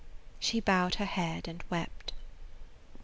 She bowed her head and wept.